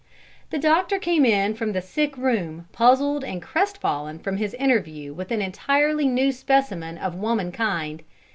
The doctor came in from the sick room puzzled and crestfallen from his interview with an entirely new specimen of woman kind.